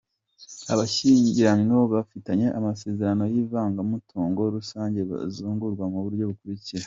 Abashyingiranywe bafitanye amasezerano y’ivangamutungo rusange bazungurwa mu buryo bukurikira:.